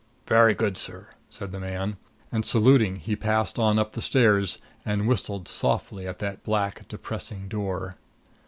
"Very good, sir," said the man; and, saluting, he passed on up the stairs and whistled softly at that black depressing door.